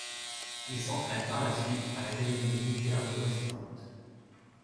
Il s'entraîne par la suite à l'Académie militaire de West Point.